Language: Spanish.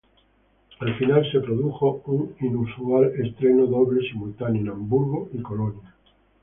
Al final, se produjo un inusual estreno doble simultáneo en Hamburgo y Colonia.